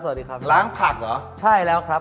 สวัสดีครับเชฟครับ